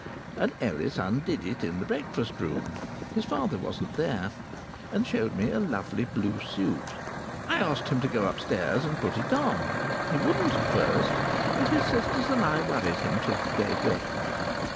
And Ellis undid it in the breakfast room (his father wasn't there) and showed me a lovely blue suit. I asked him to go upstairs and put it on. He wouldn't at first, but his sisters and I worried him till he gave way.